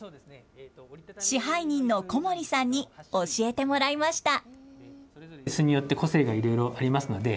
支配人の小森さんに教えてもらいました。